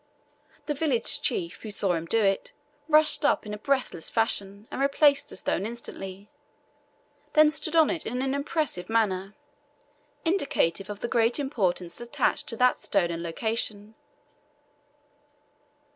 The village chief, who saw him do it, rushed up in a breathless fashion, and replaced the stone instantly, then stood on it in an impressive manner, indicative of the great importance attached to that stone and location.